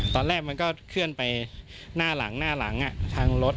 ตอนแรกมันก็เคลื่อนไปหน้าหลังทางรถ